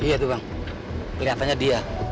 iya tuh bang kelihatannya dia